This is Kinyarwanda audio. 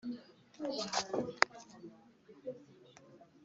Cyangwa ngo agireho uruhare igihe yaba abonetse